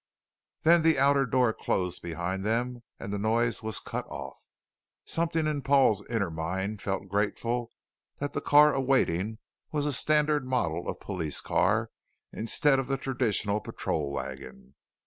Then the outer door closed behind them and the noise was cut off. Something in Paul's inner mind felt grateful that the car awaiting was a standard model of police car instead of the traditional patrol wagon.